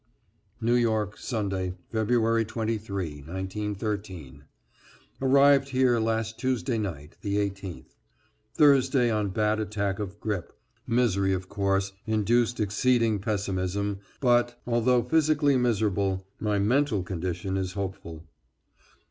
=New York, Sunday, February 23, 1913.= Arrived here last Tuesday night, the 18th. Thursday on bad attack of grippe. Misery, of course, induced exceeding pessimism, but .... although physically miserable, my mental condition is hopeful.